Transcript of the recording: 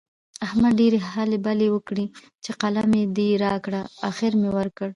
احمد ډېرې هلې بلې وکړې چې قلم دې راکړه؛ اخېر مې ورکړ.